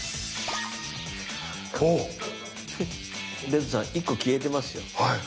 レッドさん１個消えてますよ。